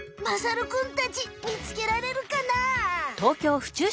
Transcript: まさるくんたちみつけられるかな？